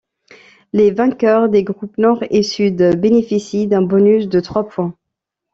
Les vainqueurs des groupes Nord et Sud bénéficient d'un bonus de trois points.